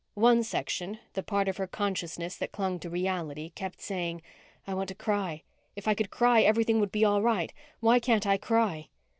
One section, the part of her consciousness that clung to reality, kept saying, _I want to cry. If I could cry, everything would be all right. Why can't I cry?